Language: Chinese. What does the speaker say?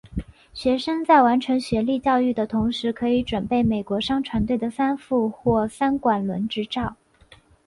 学生在完成学历教育的同时可以准备美国商船队的三副或三管轮执照。